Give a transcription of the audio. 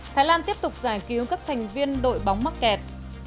thái lan tiếp tục giải cứu các thành viên đội bóng mắc kẹt